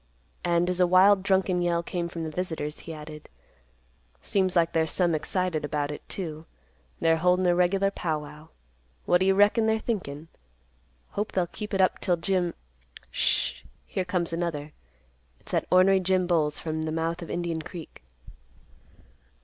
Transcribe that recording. And, as a wild drunken yell came from the visitors, he added, "Seems like they're some excited about it, too. They're holdin' a regular pow wow. What do you reckon they're thinkin'? Hope they'll keep it up 'till Jim—Sh—h—h Here comes another. It's that ornery Jim Bowles from the mouth of Indian Creek."